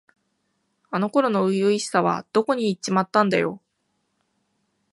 あの頃の初々しさはどこにいっちまったんだよ。